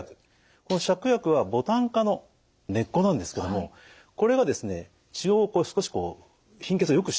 この芍薬はボタン科の根っこなんですけどもこれがですね血を少しこう貧血をよくしてくれる。